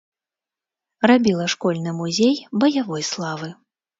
Рабіла школьны музей баявой славы.